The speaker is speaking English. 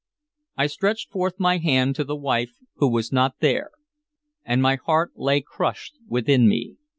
I stretched forth my hand to the wife who was not there, and my heart lay crushed within me.